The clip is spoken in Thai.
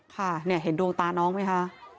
ค่ะเห็นดวงตาน้องไหมคะ